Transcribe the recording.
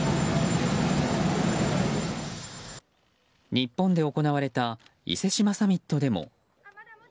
日本で行われた伊勢志摩サミットでも。